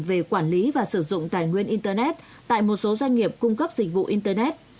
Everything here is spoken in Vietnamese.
về quản lý và sử dụng tài nguyên internet tại một số doanh nghiệp cung cấp dịch vụ internet